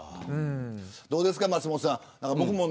どうですか松本さん。